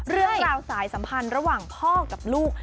เรื่องราวสายสัมพันธ์ระหว่างพ่อกับลูก